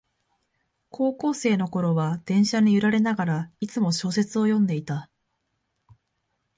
高校生のころは電車に揺られながら、いつも小説を読んでいた